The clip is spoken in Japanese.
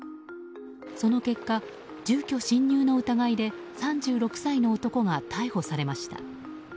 その結果、住居侵入の疑いで３６歳の男が逮捕されました。